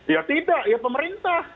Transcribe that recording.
ya tidak ya pemerintah